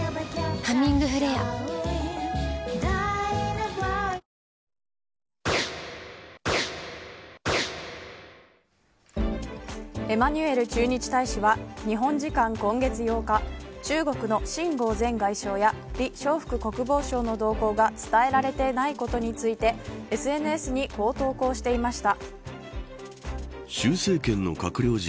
「ハミングフレア」エマニュエル駐日大使は日本時間今月８日中国の秦剛前外相や李尚福国防相の動向が伝えられてないことについてＳＮＳにこう投稿していました。